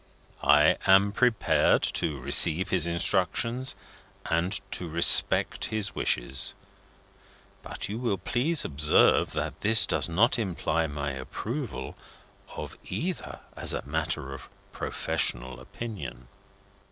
I am prepared to receive his instructions, and to respect his wishes; but you will please observe that this does not imply my approval of either as a matter of professional opinion."